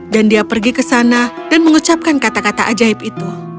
dan dia pergi ke sana dan mengucapkan kata kata ajaib itu